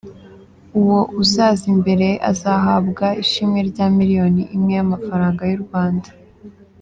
Uwo uzaza imbere azahabwa ishimwe rya miliyoni imwe y’amafaranga y’u Rwanda.